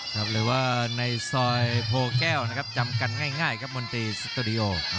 หรือว่าในซอยโพแก้วนะครับจำกันง่ายครับมนตรีสตูดิโอ